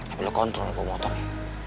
gak perlu kontrol gue motor ya